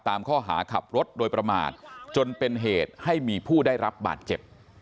ตามข้อหาขับรถโดยประมาทจนเป็นเหตุให้มีผู้ได้รับบาดเจ็บ